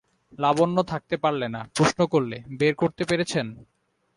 লাবণ্য থাকতে পারলে না, প্রশ্ন করলে, বের করতে পেরেছেন?